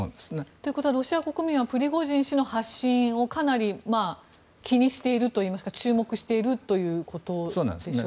ということはロシア国民はプリゴジン氏の発信をかなり気にしているといいますか注目しているということでしょうか。